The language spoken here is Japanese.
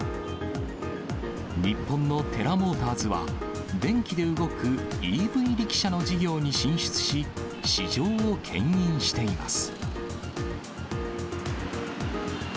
日本のテラモーターズは、電気で動くＥＶリキシャの事業に進出し、市場をけん引しています。